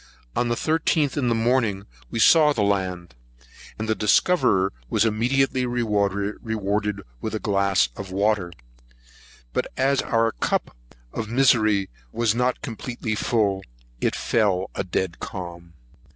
On the 13th, in the morning, we saw the land, and the discoverer was immediately rewarded with a glass of water; but, as if our cup of misery was not completely full, it fell a dead calm.